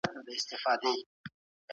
ایا ملي بڼوال چارمغز اخلي؟